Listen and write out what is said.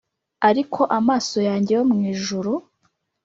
ariko amaso yanjye yo mwijuru